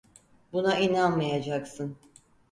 Buna inanmayacaksın.